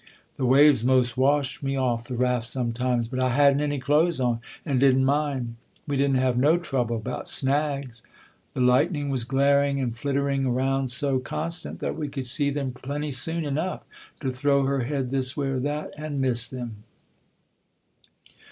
The waves 'most washed me off the raft sometimes, but I hadn't any clothes on, and didn't mind. We didn't have no trouble about snags; the lightning was glaring and flittering around so constant that we could see them plenty soon enough to throw her head this way or that and miss them."